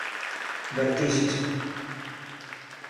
Vertixes.